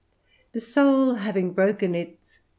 The soul, having broken its